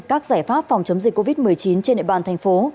các giải pháp phòng chống dịch covid một mươi chín trên địa bàn thành phố